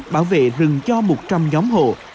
bảo vệ rừng cho một trăm linh nhóm hộ